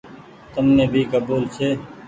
تم ني ڀي ڪبول ڇي۔